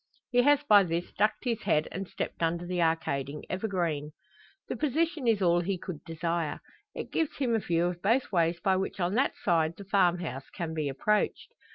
He has by this ducked his head, and stepped under the arcading evergreen. The position is all he could desire. It gives him a view of both ways by which on that side the farmhouse can be approached.